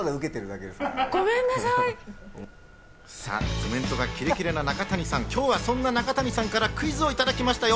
コメントがキレキレな中谷さん、今日はそんな中谷さんからクイズをいただきましたよ。